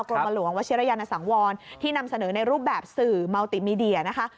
กรมหลวงวชิรยานสังวรที่นำเสนอในรูปแบบสื่อเมาติมีเดียนะคะ